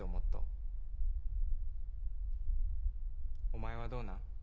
お前はどうなん？